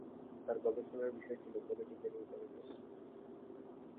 তার গবেষণার বিষয় ছিল "পলিটিক্যাল ইকোনমি"।